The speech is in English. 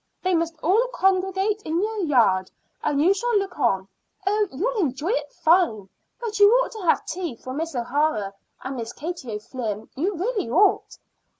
They must all congregate in the yard, and you shall look on. Oh, you'll enjoy it fine! But you ought to have tea for Miss O'Hara and Miss Katie O'Flynn; you really ought.